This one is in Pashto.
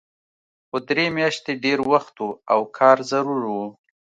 خو درې میاشتې ډېر وخت و او کار ضرور و